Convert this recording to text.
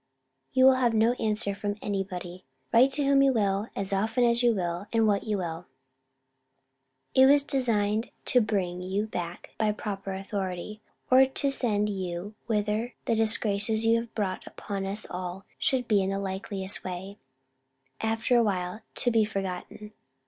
You will have no answer from any body, write to whom you will, and as often as you will, and what you will. It was designed to bring you back by proper authority, or to send you whither the disgraces you have brought upon us all should be in the likeliest way, after a while, to be forgotten.